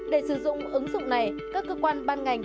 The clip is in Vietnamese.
để sử dụng ứng dụng này các cơ quan ban ngành